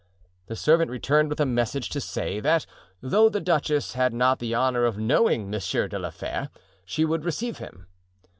The servant returned with a message to say, that, though the duchess had not the honor of knowing Monsieur de la Fere, she would receive him.